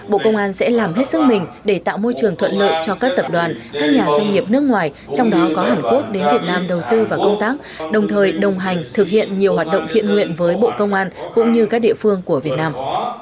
bộ công an sẽ làm hết sức mình để tạo môi trường thuận lợi cho các tập đoàn các nhà doanh nghiệp nước ngoài trong đó có hàn quốc đến việt nam đầu tư và công tác đồng thời đồng hành thực hiện nhiều hoạt động thiện nguyện với bộ công an cũng như các địa phương của việt nam